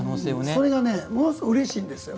それがものすごい、うれしいんですよ。